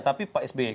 tapi pak sby